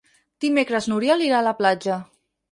Dimecres n'Oriol irà a la platja.